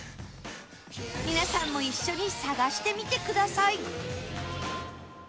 皆さんも一緒に探してみてください